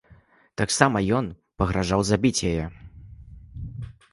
Таксама ён пагражаў забіць яе.